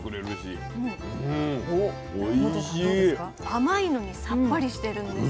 甘いのにさっぱりしてるんです。